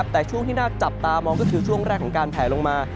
แต่ช่วงที่น่าจับตามองก็คือช่วงแรกของการแผลลงมา